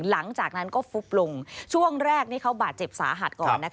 หลังจากนั้นก็ฟุบลงช่วงแรกนี่เขาบาดเจ็บสาหัสก่อน